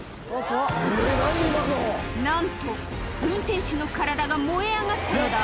なんと運転手の体が燃え上がったのだ